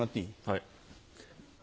はい。